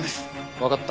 わかった。